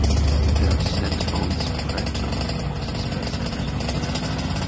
They are scent hounds, bred to hunt foxes by scent.